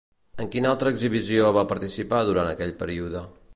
En quina altra exhibició va participar durant aquell període?